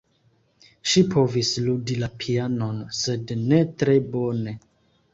Ŝi povis ludi la pianon, sed ne tre bone.